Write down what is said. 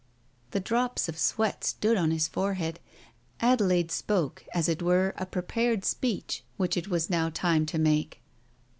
..." The drops of sweat stood on his forehead. Adelaide spoke, as it were a prepared speech, which it was now time to make.